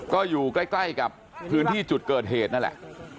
ก็อยู่ใกล้กับพื้นที่จุดเกิดเหตุนั่นแหละ